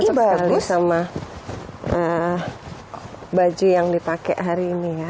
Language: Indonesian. di bali sama baju yang dipakai hari ini ya